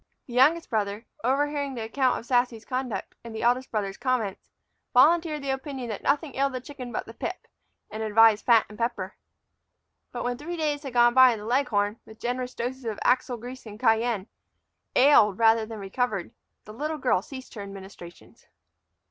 The youngest brother, overhearing the account of Sassy's conduct and the eldest brother's comments, volunteered the opinion that nothing ailed the chicken but the pip, and advised fat and pepper. But when three days had gone by and the leghorn, with generous doses of axle grease and cayenne, ailed rather than recovered, the little girl ceased her administrations.